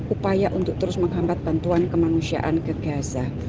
upaya untuk terus menghambat bantuan kemanusiaan ke gaza